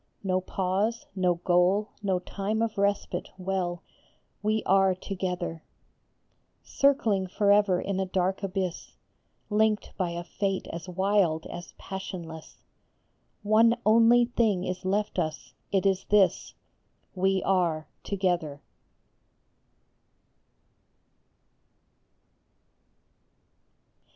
No pause, no goal, no time of respite, well, We are together ! Circling forever in a dark abyss, Linked by a fate as wild as passionless, One only thing is left us, it is this : We are together